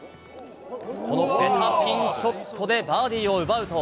このベタピンショットでバーディーを奪うと。